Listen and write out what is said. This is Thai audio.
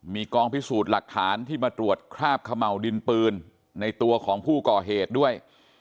มีกองพิสูจน์หลักฐานที่มาตรวจคราบเขม่าวดินปืนในตัวของผู้ก่อเหตุด้วย